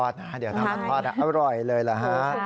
จะทำกันแทอร่อยเลยแล้วฮะ